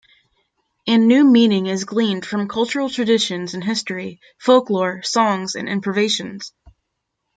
And new meaning is gleaned from cultural traditions and history, folklore, songs and improvisations.